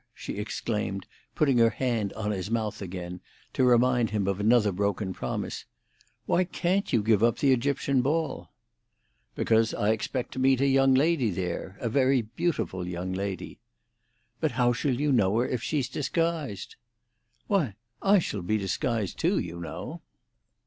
she exclaimed, putting her hand on his mouth again, to remind him of another broken promise. "Why can't you give up the Egyptian ball?" "Because I expect to meet a young lady there—a very beautiful young lady." "But how shall you know her if she's disguised?" "Why, I shall be disguised too, you know."